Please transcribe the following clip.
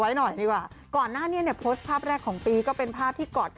ไว้หน่อยดีกว่าก่อนหน้านี้เนี่ยโพสต์ภาพแรกของปีก็เป็นภาพที่กอด